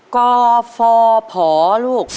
ก๔ผอลูก